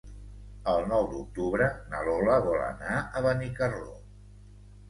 El nou d'octubre na Lola vol anar a Benicarló.